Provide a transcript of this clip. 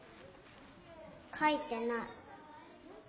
書いてない。